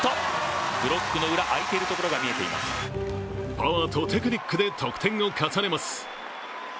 パワーとテクニックで得点を重ねます。